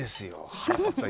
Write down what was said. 腹立つわ。